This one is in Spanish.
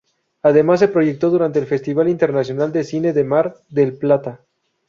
Además se proyectó durante el Festival Internacional de Cine de Mar del Plata.